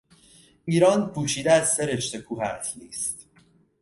ایران پوشیده از سه رشته کوه اصلی است.